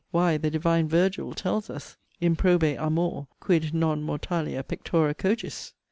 Why, the divine Virgil tells us, 'Improbe amor, quid non mortalia pectora cogis?'